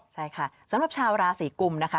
ใช่ค่ะสำหรับชาวราศีกุมนะคะ